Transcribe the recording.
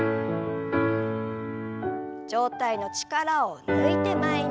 上体の力を抜いて前に。